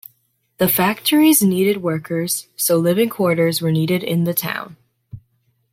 The factories needed workers, so living quarters were needed in the town.